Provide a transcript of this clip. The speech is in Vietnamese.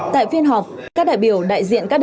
tại phiên họp các đại biểu đại diện các đơn vị